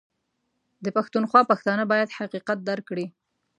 ده پښتونخوا پښتانه بايد حقيقت درک کړي